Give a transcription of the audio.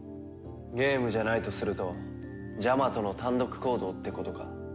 ゲームじゃないとするとジャマトの単独行動ってことか。